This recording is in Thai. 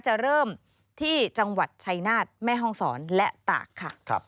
จะเริ่มที่จังหวัดชัยนาฏแม่ห้องศรและตากค่ะ